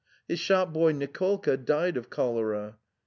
His boy Nicolka died of cholera.